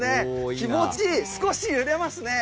気持ち少し揺れますね。